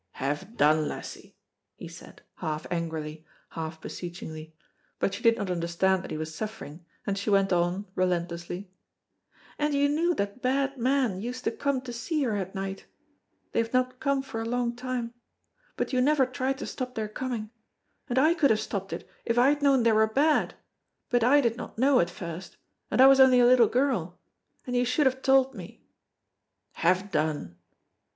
"Have done, lassie!" he said, half angrily, half beseechingly, but she did not understand that he was suffering, and she went on, relentlessly: "And you knew that bad men used to come to see her at night they have not come for a long time but you never tried to stop their coming, and I could have stopped it if I had known they were bad; but I did not know at first, and I was only a little girl, and you should have told me." "Have done!"